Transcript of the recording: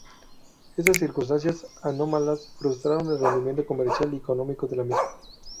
Estas circunstancias anómalas frustraron el rendimiento comercial y económico de la misma.